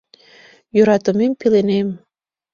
Йӧратымем пеленем.